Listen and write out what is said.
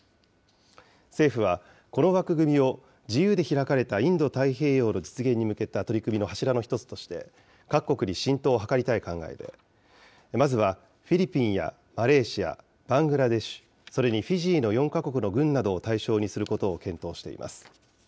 政府はこの枠組みを自由で開かれたインド太平洋の実現に向けた取り組みの柱の一つとして、各国に浸透を図りたい考えで、まずはフィリピンやマレーシア、バングラデシュ、それにフィジーの４か国の軍などを対象にすることを検討しています。